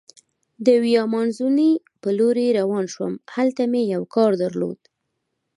د ویا مانزوني په لورې روان شوم، هلته مې یو کار درلود.